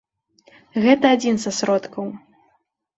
Гэта адзін са сродкаў.